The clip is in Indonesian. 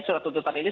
surat tuntutan ini